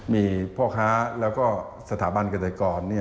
มีพ่อค้าแล้วก็สถาบันเกษตรกร